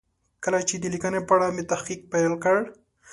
کله چې د لیکنې په اړه مې تحقیق پیل کړ.